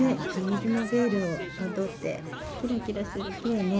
水のベールをまとってキラキラしてるきれいね。